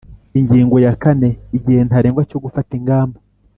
Ingingo ya kane Igihe ntarengwa cyo gufata ingamba